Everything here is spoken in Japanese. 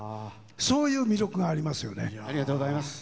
そういう魅力がありますよね。